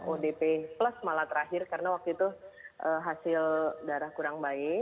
odp plus malah terakhir karena waktu itu hasil darah kurang baik